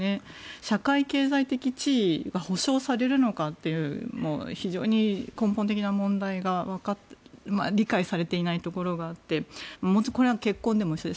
社会経済的地位が保障されるのかという非常に根本的な問題が理解されていないところがあってこれは結婚でも一緒です。